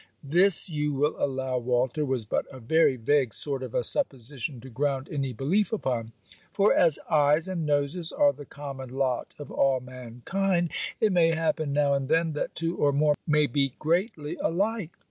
This you will allow, Walter, was but a very vague sort of a supposition to ground any belief upon; for, as eyes and noses are the common lot of all mankind, it may happen now and then that two or more may be greatly alike.